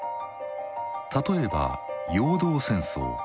例えば「陽動戦争」。